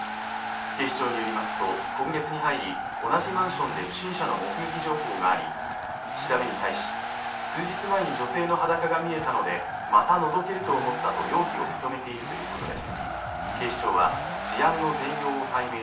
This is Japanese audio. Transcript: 警視庁によりますと今月に入り同じマンションで不審者の目撃情報があり調べに対し数日前に女性の裸が見えたのでまたのぞけると思ったと容疑を認めているということです。